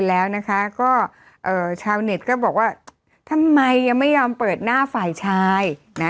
แล้วนะคะก็เอ่อชาวเน็ตก็บอกว่าทำไมยังไม่ยอมเปิดหน้าฝ่ายชายนะ